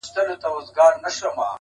يو زۀ يم چې مرض راله طبيب سره راځي